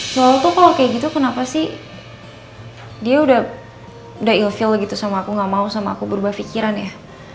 soal tuh kalau kayak gitu kenapa sih dia udah ilvil gitu sama aku gak mau sama aku berubah pikiran ya